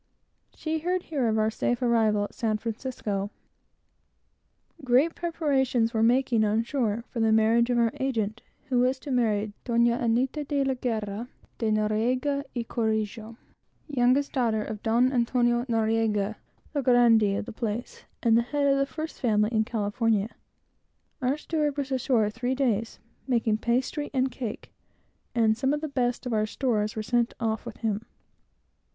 She heard here of our safe arrival at San Francisco. Great preparations were making on shore for the marriage of our agent, who was to marry Donna Anneta De G De N y C , youngest daughter of Don Antonio N , the grandee of the place, and the head of the first family in California. Our steward was ashore three days, making pastry and cake, and some of the best of our stores were sent off with him.